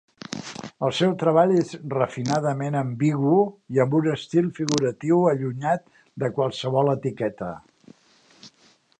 El seu treball és refinadament ambigu i amb un estil figuratiu allunyat de qualsevol etiqueta.